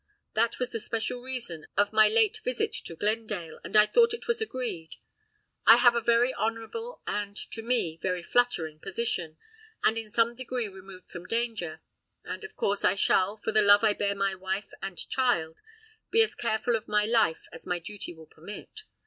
That was the special reason of my late visit to Glendale, and I thought it was agreed. I have a very honorable and, to me, very flattering position, and in some degree removed from danger; and of course I shall, for the love I bear my wife and child, be as careful of my life as my duty will permit.